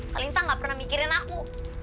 kak lintang gak pernah mikirin aku